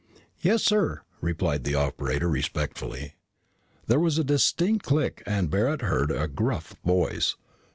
"Yes, sir," replied the operator respectfully. There was a distinct click and Barret heard a gruff voice.